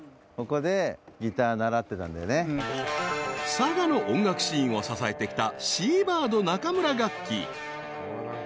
［佐賀の音楽シーンを支えてきた］